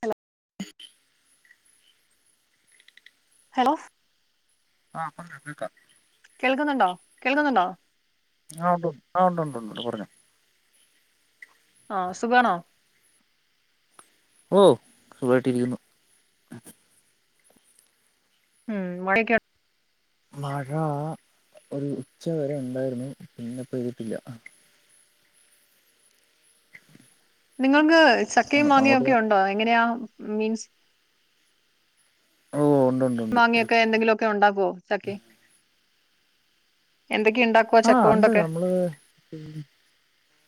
Hello hello ആഹ് പറഞ്ഞോ കേക്കാം കേൾക്കുന്നുണ്ടോ കേൾക്കുന്നുണ്ടോ ആഹ് ഒണ്ട് ആഹ് ഒണ്ട് ഒണ്ട് ഒണ്ട് ഒണ്ട് പറഞ്ഞോ ആഹ് സുഖാണോ ഓഹ് സുഖായിട്ടിരിക്കുന്നു ഉം മഴെക്കെ മഴ ഒരു ഉച്ച വരെ ഉണ്ടായിരുന്നു പിന്നെ പെയ്തിട്ടില്ല നിങ്ങൾക്ക് ആ, ചക്കയും മാങ്ങയും അങ്ങോട്ട് ഒക്കെ ഉണ്ടോ എങ്ങനെയാ മീൻസ് ഓഹ് ഒണ്ട് ഒണ്ട് മാങ്ങയൊക്കെ എന്തെങ്കിലു ഒക്കെ ഉണ്ടാക്കുവോ ചാക്കേ എന്തെക്കെ ഉണ്ടാക്കു ആഹ് അണ്ട് നമ്മള്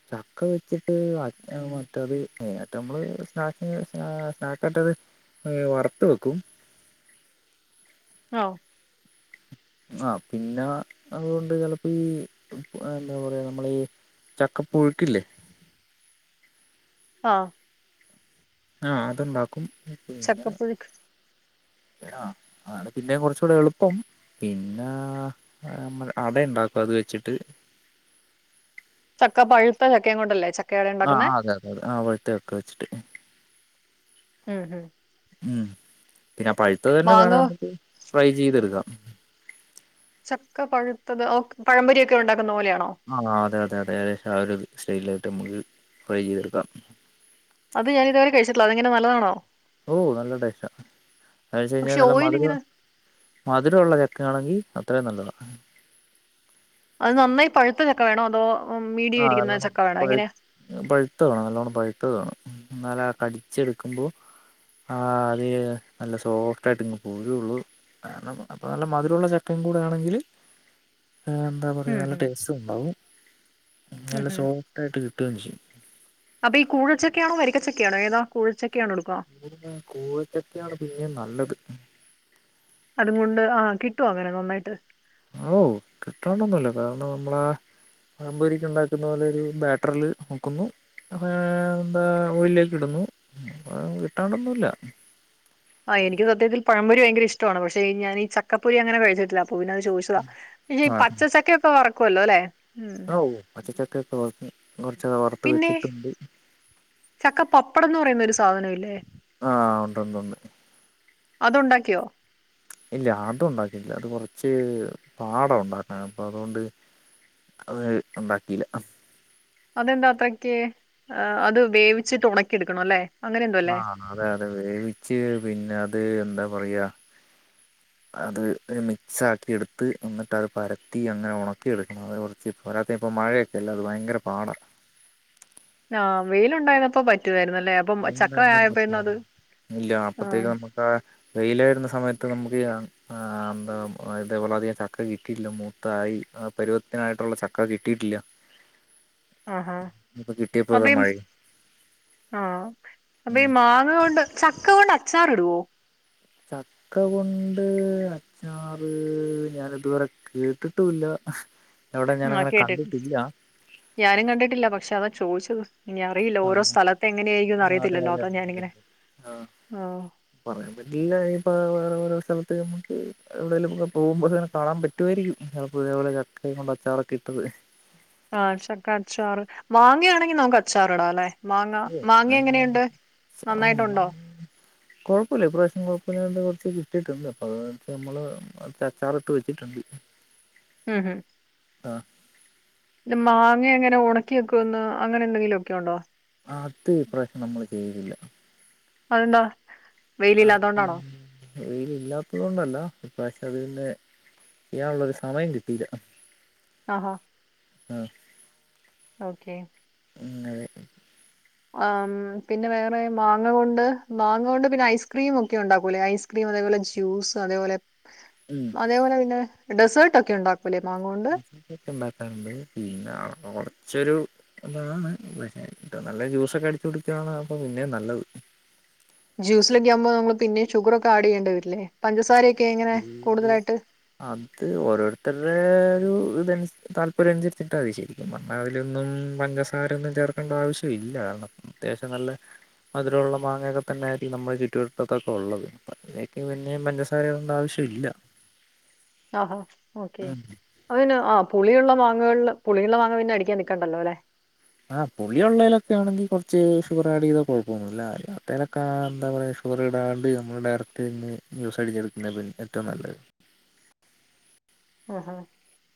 ചക്ക വെച്ചിട്ട് അച് ഏഹ് മറ്റത്ത് മെയ്നായിറ്റ് നമ്മള് സ്നാക് സ്നാ സ്നാക് പെട്ടത് ഏഹ് വറുത്ത് വെക്കും ഓഹ് ആഹ് പിന്ന അതുകൊണ്ട് ചെലപ്പ ഈ പു എന്താ പറയാ നമ്മളീ ചക്കപ്പുഴുക്കില്ലേ ആഹ് ആഹ് അതുണ്ടാക്കും പിന്ന ചക്കപ്പുഴുക്ക് ആഹ് അതാണ് പിന്നേം കുറച്ച്കൂടെ എളുപ്പം പിന്ന ആമർ അട ഉണ്ടാക്കും അത് വെച്ചിട്ട് ചക്ക പഴുത്ത ചക്കയും കൊണ്ടല്ലേ ചക്ക അഹ് അതെ അതെ അതെ ആ പഴുത്ത ചക്ക വെച്ചിട്ട് ഉം ഉം ഉം പിന്നെ പഴുത്തത് തന്നെ വേണം മാങ്ങ നമുക്ക് ട്രൈ ചെയ്തെടുക്കാം. ചക്ക പഴുത്തത് ഓ പഴമ്പരി ഒക്കെ ഉണ്ടാക്കുന്ന പോലെയാണോ? ആഹ് അതെ അതെ അതെ ഏകദേശം ആ ഒരു സ്റ്റൈലായിട്ട് നമുക്ക് ഫ്രൈ ചെയ്തെടുക്കാം. അത് ഞാനിതുവരെ കഴിച്ചട്ടില്ല അതങ്ങനെ നല്ലാണോ? ഓഹ് നല്ല ടേസ്റ്റാ അത്ങ്ങനെ വെച്ച പക്ഷെ കഴിഞ്ഞാൽ നല്ല ഓയിൽ ഇങ്ങനെ മധുരം മധുരമുള്ള ചക്കയാണെങ്കിൽ അത്രയും നല്ലത അത് നന്നായി പഴുത്ത ചക്ക വേണോ അതോ മീടി ഇരിക്കുന്ന ചക്ക വേണോ എങ്ങനെ പഴുത്ത വേണം നല്ലോണ്ണം പഴുത്തത് വേണം എന്നാല ആ കടിച്ചെടുക്കുമ്പോ ആഹ് അത് നല്ല സോഫ്റ്റ് ആയിട്ട് ഇങ് പ പോരുള്ളു. കണം അപ്പോ നല്ല മധുരമുള്ള ചക്കയും കൂടെ ആണെങ്കിൽ ആം എന്താ പറയുക ഉം നല്ല ഉം ടേസ്റ്റും ഉണ്ടാവും ഉം നല്ല ഉം സോഫ്റ്റായിട്ട് കിട്ടുകയും ചെയ്യും. അപ്പൊ ഈ കുഴച്ചക്കണോ വരിക്കച്ചക്ക ആണോ ഏതാ കുഴച്ചക്കണോ എടുക്കുക. പിന്നെ കൂഴച്ചക്കയാണ് പിന്നെയ നല്ലത്. അതും കൊണ്ട് ആഹ് കിട്ടുവ അങ്ങനെ നന്നായിട്ട്. ഓഹ് കിട്ടാണ്ടന്നുമല്ലേ കാരണം നമ്മളെ പഴ പൊരിക്ക് ഉണ്ടാക്കുന്ന പോലെ ഒരു ബാറ്ററിൽ മുക്കുമ്പോ അത് എന്താ ഓഴിലേക്ക് ഇടുന്നു കിട്ടാണ്ടൊന്നുമില്ല. ആഹ് എനിക്ക് സത്യത്തിൽ പഴം പൊരി ഭയങ്കര ഇഷ്ടമാണ്. പക്ഷെ ഞാന ഈ ചക്കപ്പൊരി അങ്ങനെ കഴിച്ചിട്ടില്ല അപ്പോ പിന്നത് ചോദിച്ച [unintelligible] ഈ പച്ചചക്കൊക്കെ വറക്കുഎല്ലോ ലേ അഹു പച്ചച്ചക്ക ഒക്കെ വർക്കും കുറച്ചക്കെ വറ്ത്ത് പിന്നെ വെച്ചിട്ടുണ്ട്. ചക്ക പപ്പടം എന്ന് പറയുന്നൊരു സാധനം ഇല്ലേ. ആ ഉണ്ടണ്ട്ണ്ട്. അതുണ്ടാക്കിയോ. ഇല്ല അതുണ്ടാക്കിട്ടില്ല അത് കുറച്ച് പാട ഉണ്ടാക്കാണ് അപ്പൊ അതുകൊണ്ട് അത് ഉണ്ടാക്കിയില്ല. അതെന്താ അത്രെക്ക് ഹേ അത് വേവിച്ചിട്ട് ഉണക്കിടുക്കണ അല്ലെ അങ്ങനെ എന്തോ ആ അല്ലേ അതെ അതെ വേവിച്ച് പിന്നെ അത് എന്താ പറയാ. [inaudible] അത് ഹേ മിക്സ് ആക്കി എടുത്ത് എന്നിട്ട് അത് പരത്തി അങ്ങനെ ഉണക്കി എടുക്കണം അതപോലെ. ഇപ്പ പോരാത്ത ഇപ്പോ മഴൊക്കെ അല്ല അത് ഭയര പാടാണ്. ആഹ് വെയിലുണ്ടായിരന്നപ്പോ പറ്റുവായിന്നല്ലേ. [unintelligible] ഇല്ല ആ അപ്പത്തേക്ക് നമ്മുക്ക് വെയിലായിരുന്ന സമയത്ത് നമുക്ക് യാ ആ എന്താ ഇതേപോലെ അധികം ചക്ക കിട്ടിയിട്ടില്ല മൂത്തായി പരിവത്തിനായിട്ടുള്ള ചക്ക കിട്ടിയിട്ടില്ല. ആഹ ആഹാ ഇപ്പൊ കിട്ടിയപ്പോ അപ്പം ഇതാ ഈ മുസ് മഴയും ആഹ അപ്പൊ ഉം ഈ മാങ്ങ കൊണ്ട് ചക്ക കൊണ്ട് അച്ചാറി ഇടുവോ. ചക്ക കൊണ്ട് അച്ചാറ് ഞാൻ ഇതുവരെ കേട്ടിട്ടുല്ല. ആ കേട്ടിട്ടില്ല. ഞാനും കണ്ടിട്ടില്ല പക്ഷെ അതാ ചോയിച്ചത്. ഇനി അറിയില്ല ഓരോ ആഹ് സ്ഥലത്തെ എങ്ങനെയ ആയിരിക്കുംന്ന് അതെ അറിയത്തില്ലല്ലോ അതെ അതാ അതെ അതെ ഞാനിങ്ങനെ ആഹ് ആ പറയാൻ പറ്റില്ല. ഇല്ല ഇപ്പ വേറെ ഓരേ സ്ഥലത്ത് നമുക്ക് എവിടെലുക്കെ പോകുമ്പോ ഇങ്ങനെ കാണാൻ പറ്റുമായിരിക്കും ചിലപ്പോ ഇതേപോലെ കൈ കൊണ്ടച്ചാറെക്കെ ഇട്ടത് ആ ചക്കച്ചാറ് മാങ്ങയാണെങ്കിൽ നമുക്ക് അച്ചാർ ഇടാം ല്ലേ, മാങ്ങ ഏഹ് മാങ്ങ ഇങ്ങള് എങ്ങനെയുണ്ട് ആഹ് മാ നന്നായിട്ടുണ്ടോ? കുഴപ്പമില്ല ഇപ്രാവശ്യം കുഴപ്പമില്ലാണ്ട് കുറച്ച് കിട്ടയിട്ടുണ്ട് അപ്പോൾ അതാ വെച്ചൽ നമ്മള് കൊറച്ചച്ചാറ് ഇട്ട് വച്ചിട്ടുണ്ട്. മ്. ഹ്... ആഹ്. ഈ മാങ്ങ എങ്ങനെ ഒണക്കിവക്കുന്ന അങ്ങനെ എന്തെങ്കിലുക്കെ ഉണ്ടോ? ആഹ് അത് ഈ പ്രാവശ്യം നമ്മള് ചെയ്യുന്നില്ല. അതെന്താ? ആത് വെയിലില്ലാത്തോണ്ടാണോ വെയിലില്ലാത്തത് കൊണ്ടല്ല ഇപ്രാശ്യം അത്‌പിന്നെ ചെയാനുള്ളൊരു സമയം കിട്ടിയില്ല. ആഹ് ആഹാ. അഹ്‌ ഓക്കെ. ഇന്നലെ ആം പിന്നെ വേറെ മാങ്ങ കൊണ്ട് മാങ്ങ കൊണ്ട് പിന്നെ ഐസ്ക്രീം ഒക്കെ ഉണ്ടാക്കൂലേ ഐസ് ക്രീം അതേപോലെ ജ്യൂസ് അതേപോലെ ഉം. അതേപോലെ പിന്നെ ഡെസേർട്ടൊക്കെ ഉണ്ടാക്കൂല്ലേ മാങ്ങ കൊണ്ട്? ഒക്കെ ഉണ്ടാക്കാറ്ണ്ട് പിന്നെ കൊറച്ചൊരു അതാണ് പക്ഷേ ഏറ്റവും നല്ലത് ജ്യൂസൊക്കെ അടിച്ചു കുടിക്ക്ണാണ് അപ്പൊ പിന്നേം നല്ലത്. ജ്യൂസിലൊക്കെയാവുമ്പോ നമ്മള് പിന്നേം ഷുഗറ് ഒക്കെ ആഡ് ചെയ്യേണ്ടി വരില്ലേ പഞ്ചസാരയൊക്കെ എങ്ങനേ കൂടുതലായിട്ട് അത് ഓരോര്ത്തര്ടെ ഒരു ഇത്‌ അനുസ താല്പര്യം അനുസരിച്ചിട്ടാ മതി ശരിക്കും പർ ന്നാ അതിലൊന്നും പഞ്ചസാരൊന്നും ചേർക്കേണ്ട ആവശ്യം ഇല്ല. കാരണം അത്യാവശ്യം നല്ല മധുരവുള്ള മാങ്ങയെക്കെ തന്നെയായിരിക്കും നമ്മ്ടെ ഈ ചുറ്റുവട്ടത്തൊക്കെ ഒള്ളത് അപ്പ അയ്ക്ക് ഇഞ് പിന്നേം പഞ്ചസാര ഇ ടണ്ടാവശ്യ ഇല്ല. ആഹ് ഹോ ഓക്കേ. അതില് ആഹ് പുളിയുള്ള മാങ്ങകൾ ള് പുളിയുള്ള മാങ്ങ പിന്നെ അടിക്കാൻ നിക്കണ്ടല്ലോ ല്ലേ ആഹ് പുളിയൊള്ളേലൊക്കെ ആണെങ്കി കൊറച്ച് ഷുഗർ ആഡ് ചെയ്താ കുഴപ്പൊന്നുല്ല ആഹ് അല്ലാത്തേലെക്കെ എന്ത പറയാ ഷുഗറിടാണ്ട് നമ്മള് ഡയറക്റ്റ് അതിന്ന് ജ്യൂസ് അടിച്ചെടുക്കുന്നതാണ് ഏറ്റവും നല്ലത്. ആഹ് അഹ്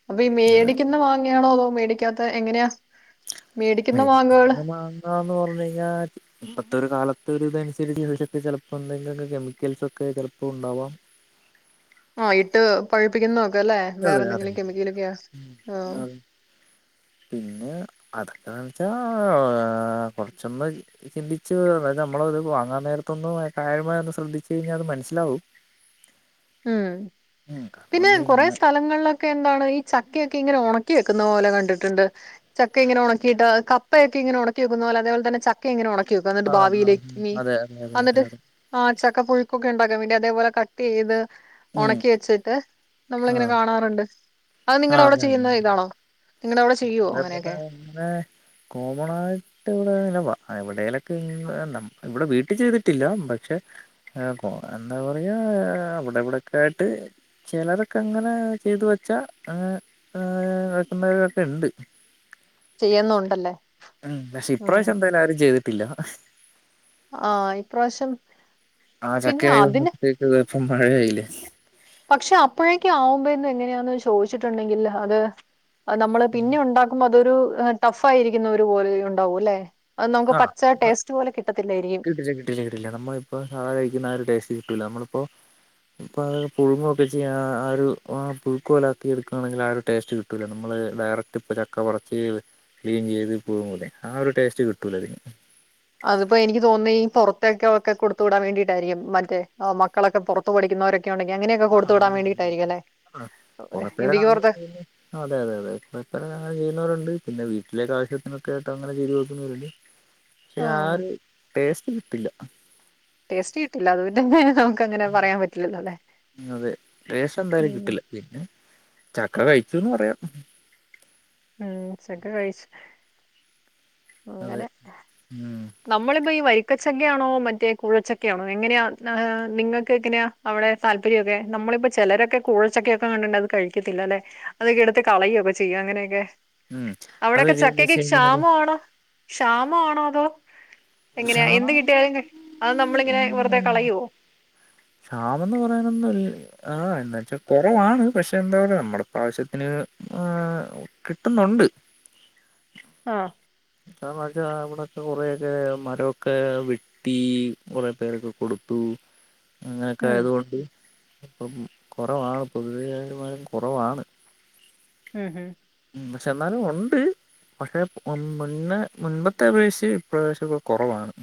അപ്പൊ ഈ അതെ മേടിക്കുന്ന മാങ്ങയാണോ അതോ മേടിക്കാത്ത എങ്ങനെയാ മേടിക്കുന്ന മാങ്ങാന്ന് പറഞ്ഞു കഴിഞ്ഞാൽ ഇപ്പൊത്തൊരു കാലത്തൊരുതനുസരിച്ച് ഇത് ലെക്കെ ചെലപ്പം എന്തെങ്കിലും കെമിക്കൽസ് ഒക്കെ ചെലപ്പോ ഉണ്ടാവാം ആഹ് ഇട്ട് പഴിപ്പിക്കുന്നത് ഒക്കെ അല്ലേ വേറെ അതെ അതെ എന്തെങ്കിലും കെമിക്കലൊക്കെയാ ആഹ് ഓ അതെ പിന്നെ അതൊക്കെ എന്താണ് ച്ചാ [unintelligible] കൊറച്ചൊന്ന് ഈ ഈ ചിന്തിച്ച് അതായത് നമ്മളെ ഇത്‌ വാങ്ങാൻ നേരത്തൊന്നു എഹ് കാര്യമായി ഒന്ന് ശ്രദ്ധിച്ചു കഴിഞ്ഞാൽ അത് മനസ്സിലാവും. ഉം. ഉം കാരണം പിന്നേ കൊറേ നമ്മളീ സ്ഥലം ലങ്ങളിലൊക്കെ എന്താണ് ഈ ചക്കയൊക്കെ ഇങ്ങനെ ഒണക്കി വെക്കുന്നത് പോലെ കണ്ടിട്ട്ണ്ട്. ചക്ക ഇങ്ങനെ ഒണക്കിയിട്ട് കപ്പയൊക്കെ ഇങ്ങനെ ഒണക്കി വെയ്ക്കുന്ന പോലെ അതേപോലെ തന്നെ ച ക്ക ഇങ്ങനെ ഒണക്കി വെക്കുക അന്ന്ട്ട് ആഹ് ഭാവിയിലേക്ക് ആഹ് ഇനി അതെ അതെ അതെ അതെ അന്ന്ട്ട് അതെ ആഹ് ചക്കപുഴുക്കൊക്കെ ഇണ്ടാക്കാം വേണ്ടി അതേപോലെ കട്ട് ചെയ്ത് ഉം ഒണക്കി വെച്ചിട്ട് നമ്മളിങ്ങനെ ആഹ് കാണാറ്ണ്ട് അത് നിങ്ങടെ അവടെ ചെയ്യ്ന്ന ഇതാണോ നിങ്ങളുടെ അവിടെ ചെയ്യുവോ അതായത് ഇബടെ അങ്ങനെയൊക്കെ അങ്ങനെ കോമണായി ട്ട് ഇവ്ടെ അങ്ങനെ വ എവിടേലൊക്കെ ഇങ് നമ് ഇ ഇവിടെ വീട്ടി ചെയ്തിട്ടില്ല പക്ഷെ എഹ് ക്കോ എന്താ പറയാ അവിടെ ഇവിടെയൊക്കെ ആയിട്ട് ചെലതൊക്കെ അങ്ങനെ ചെയ്തു വെച്ചാ ആഹ് ആഹ്. അങ്ങനെ വെയ്ക്കുന്നവരൊക്കെ ഇണ്ട് [inaudible] ചെയ്യ്ന്നുണ്ടല്ലേ ഉം. പക്ഷെ ഇപ്രാവശ്യം എന്തായാലും ആരും ചെയ്ത്ട്ടില്ല. ആഹ് ഇപ്രാവശ്യം ആഹ് പിന്നെ ചക്കയായി അതിന് വന്നപ്പഴത്തേക്ക് ഇപ്പം മഴയായില്ലേ പക്ഷെ അപ്പോഴേക്ക്യും ആവുമ്പയേന്ന് എങ്ങനെയാന്ന് ചോയ്ച്ച്ട്ട് ഇണ്ടെങ്കിൽ അത് അത് നമ്മള് പിന്നെ ഉണ്ടാക്ക ക്കുമ്പൊ അതൊരു ടഫായി ഇരിക്കുന്ന ഒരു പോലെ ഉണ്ടാവും അല്ലെ അത് നമ്ക്ക് ആഹ് പച്ച ടേസ്റ്റ് പോലെ കിട്ടത്തില്ലായിരിക്കും തീർച്ചയായും കിട്ടില്ല്യ നമ്മളിപ്പോ സാധാ കഴിക്കുന്ന ആ ടേസ്റ്റ് കിട്ടൂല നമ്മളിപ്പോ ഇപ്പൊ അഹ് പുഴുങ്ങുഒക്കെ ചെയ്യാ ആ ഒരു പുഴുക്ക് പോലെ ആക്കി എട്ക്കാണെങ്കിൽ ആ ഒര് ടേസ്റ്റ്‌ കി ട്ടൂല ഞമ്മള് ഡയറക്റ്റ് ഇപ്പ ചക്ക പറിച്ചെയ്ത് ക്ലീൻ ചെയ്ത് പുഴുങ്ങൂലേ ഒരു ടേസ്റ്റ് കി ട്ടൂലതിന് അതിപ്പോ എനിക്ക് തോന്ന്ന്ന് ഈ പൊറത്തേക്ക്‌ അതൊക്കെ കൊട്ത്ത് വിടാൻ വേണ്ടിയിട്ടായിരിക്കും മറ്റേ ആഹ് മക്കളൊക്കെ പൊറത്ത് പഠിക്കുന്നവരെ ക്കെയുണ്ടെങ്കി അങ്ങനെ ഒക്കെ കൊട്ത്ത് വിടാൻ വേണ്ടിയിട്ടായിരിക്കും അല്ലേ കൊറെ പേരൊക്കെ ഇന്ത്യക്ക് അങ്ങനെ പൊറത്ത് ചെയ്യുന്നു അതെ അതെ അതെ [unintelligible] അങ്ങനെ ചെയ്യുന്നവരുണ്ട് പിന്നെ വീട്ടിലേക്ക്‌ ആവശ്യത്തിനൊക്കെ ആയിട്ട് അങ്ങനെ ചെയ്ത് വെക്കുന്നവരുണ്ട് പക്ഷേ ആ ആഹ് ഒര് ടേസ്റ്റ് കിട്ടില്ല ട്ടേസ്റ്റ് കിട്ടില്ല അത്കോണ്ടെന്നെ നമുക്കങ്ങനെ പറയാൻ പറ്റില്ലല്ലോ അല്ലെ അതെ ടേസ്റ്റ് എന്തായാലും ഉം കിട്ടില്ല പിന്നെ ചക്ക കഴിച്ചൂന്ന് പറയം ഉം ഉം ഉം ചക്കകഴിച്ചു അതെ അങ്ങനെ ഉം നമ്മളിപ്പോ ഈ വരിക്കച്ചക്കയാണോ മറ്റേ കുഴച്ചക്കയാണെ എങ്ങനെയാ നിങ്ങൾക്ക് എങ്ങനെയാ അവിടെ താല്പര്യക്കെ നമ്മളിപ്പോ ചെലരൊക്കെ കൂഴച്ചക്കൊക്കെ കണ്ട അത് കഴിക്കത്തില്ല ലെ അതൊക്കെ എടുത്ത് കളയൊക്കെ ചെയ്യും അങ്ങനെയൊക്കെ ഉം അത് അവിടെക്കെ വെച്ച് ചക്കൊക്കെ കഴിഞ്ഞാല് ക്ഷാമാണോ ക്ഷാമാണോ അതോ എങ്ങനെയാ എന്ത് വിശാലമായി കിട്ടിയാലും അത് നമ്മളിങ്ങനെ വെറുതെ കളയോ ക്ഷാമെന്ന് പറയാനൊന്നൂ ആഹ്എന്നാച്ചാൽ കുറവാണ് പക്ഷെ എന്താ പറ നമ്മുടെ ആവശ്യത്തിന് കിട്ടൊന്നുണ്ട് ആഹ് [unintelligible] കൊറേയൊക്കെ മരൊക്കെ വി ഈ കൊറേപേരൊക്കെ കൊടുത്തു അങ്ങനെയൊക്കെ ഉം ആയതുകൊണ്ട് ഇപ്പം കുറവാണ് പൊതുവെ കൊറവാണ് ഉം ഉം ഉം പക്ഷെ എന്നാലും ഉണ്ട് പക്ഷെ മുമ്പത്തെ അപേക്ഷിച്ച് പ്പം കൊറവാണ്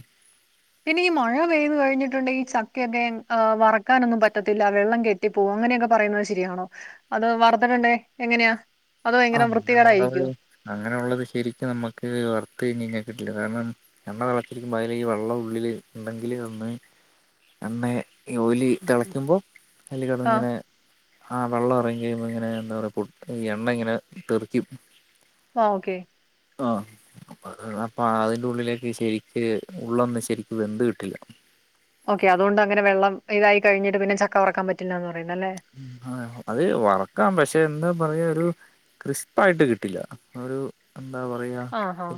പിന്നെ ഈ മഴ പെയ്തു കഴിഞ്ഞിട്ടുണ്ടെങ്കി ഈ ചക്കയൊക്കെ വറക്കാനൊന്നും പറ്റത്തില്ല വെള്ളം കേ [unintelligible] അങ്ങനെ ഒക്കെ പറയുന്ന ശെരി ആണോ അത് വരുത്തിട് ഉണ്ടേൽ എങ്ങനെയാ അതൊ ആ ഭയങ്കര അങ്ങനെയുള്ളത് വൃത്തിക്കേടായിരിക്കൊ അങ്ങനെയുള്ളത് ശരിക്കും ന്നമ്മക്ക് വർത്തയ്ഞാ കിട്ടുല കാരണം എണ്ണ വളത്തിരിക്കുമ്പോൾ അതില വെള്ളം ഉള്ളിൽ ഉണ്ടെങ്കിൽ അന്ന് [unintelligible] ഈ ഓലി തെളക്കുമ്പോ അയില് കെട്ന്ന് ആഹ് ങ്ങനെ ആ വെള്ളം എറങ്ങി കെയ്യുമ്പോ ങ്ങനെ എണ്ണങ്ങനെ തെറിക്കും ആഹ് ഓക്കേ ആഹ് അപ്പൊ അതിന്റെ ഉള്ളിലേക്ക് ശരിക്ക് ഉള്ളൊന്നും ശരിക്ക് വെന്ത് കിട്ടില്ല ഓക്കെ അതോണ്ടങ്ങനെ വെള്ളം ഇതായികയിഞ്ഞിട്ട് പിന്നെ ചക്ക വറുക്കാൻ പറ്റില്ലാന്ന് പറയുന്നത് ല്ലെ ആഹ് അത് വറുക്കാം പക്ഷെ എന്താ പറയാ ഒരു ക്രിസ്പായിട്ട് കിട്ടില്ല ആഹ് ഒരു എന്താ പറയാ ആഹ് ആഹ്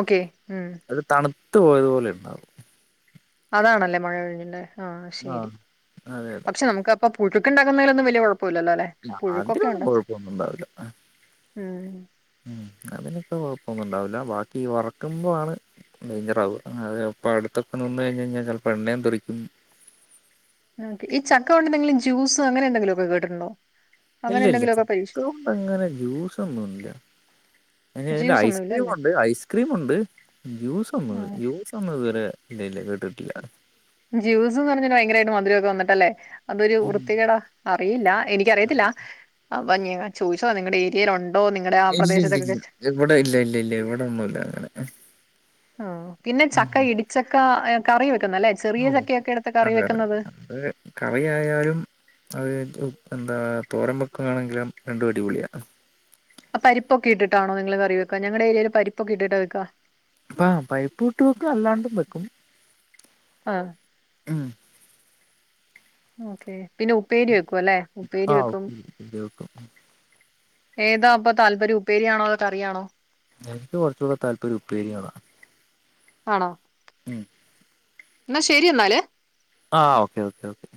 ഓക്കെ ഉം അത് തണുത്ത പോയത്പോലെണ്ടാവും അതാണല്ലെ മഴ [unintelligible] ആഹ് ശരി അതെ അതെ പക്ഷേ നമുക്ക അപ്പ പുഴുക്കണ്ടകുന്നതിലൊന്നു വല്യ കൊഴപ്പല്ല്യല്ല ലെ ആഹ് അതന്നും കൊഴപ്പണ്ടാവു ല്ല ഉം ഉം അതിനൊന്നുംകുഴപ്പൊന്നും ണ്ടാവില്ല ബാക്കി വറക്കുമ്പോണ് [unintelligible] അടുത്തൊക്കെ നിന്നെയ് ഞാല് എണ്ണ തെറിക്കും ഈ ചക്ക കൊണ്ട് എന്തെങ്കിലും ജ്യൂസ് അങ്ങനെന്തെങ്കിലൊക്കെ കേട്ടിട്ടുണ്ടെ ഇല്ല ഇല്ല ചക്ക കൊണ്ട്ങ്ങനെ ജ്യൂസൊന്നുംല്ല അതിന്റെ ജ്യൂസ് ഒന്നുമില്ല അല്ലേ ഐസ്ക്രീമുണ്ട് ഐസ്ക്രീമ ഉണ്ട് ജ്യൂസ് ഒന്ന് ഉം ജ്യൂസ് ഒന്ന് ഇതുവരെ ഇല്ല ഇല്ല കേട്ടിട്ടില്ല ജ്യൂസ് എന്ന് പറഞ്ഞാൽ ഭയങ്കരമായിട്ട് മധുരംക്കെ വന്നിട്ടേ അതരു വൃത്തികട അറിയില്ല എനിക്കറിയത്തില്ല അവഞ്ഞങ്ങാൻ ചോദിച്ചു നിങ്ങളുടെ ഏരിയൽ ഉണ്ടോ നിങ്ങളുടെ ആ ഇല്ല ഇല്ല പ്രദേശത്തൊക്കെ ഇല്ല ഇവിടെ ഇല്ല ഇല്ല ഇല്ല ഇവിടെ ഒന്നുംല്ല അങ്ങനെ ഓഹ്. പിന്നെ ഉം. ചക്ക ഇടിച്ചക്കാ ഏഹ് കറി വെക്കുന്നല്ലെ. ചെറിയ ഓ ചക്കയൊക്കെ എട്ത്ത് കറി അതെ അതെ വെക്ക്ന്നത്. അത് കറിയായാലും അത് എന്താ തോരം വെക്കുന്നാണെങ്കിലും രണ്ടും അടിപൊളിയാ. പരിപ്പൊക്കെ ഇട്ടിട്ടാണൊ നിങ്ങള് കറിവെക്കാ. ഞങ്ങടെ ഏരിയേല് പരിപ്പൊക്കെ ഇട്ടിട്ടാ വെക്കാ. ആഹ്. പരിപ്പും ഇട്ട് വെക്കും. അല്ലാണ്ടിം വെക്കും. ആഹ് ഉം ഓക്കെ. പിന്നെ ഉപ്പേരി വെക്കും അല്ലെ. ഉപ്പേരി ആ വെക്കും ഓക്കെ വെക്കും ഏതാപ്പൊ താല്പര്യം. ഉപ്പേരിയാണൊ അതൊ കറിയാണൊ? എനിക്ക് കൊർച്ചൂടെ താല്പര്യം ഉപ്പേരിയാണ്. ആണൊ. എന്നാ ശരി എന്നാല്. ആഹ് ഓക്കെ, ഓക്കെ, ഓക്കെ